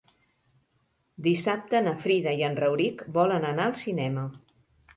Dissabte na Frida i en Rauric volen anar al cinema.